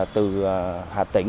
từ hà tĩnh